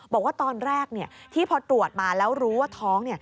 บอกว่าตอนแรกที่พอตรวจมาแล้วรู้ว่าท้อง